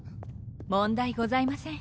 問題ございません。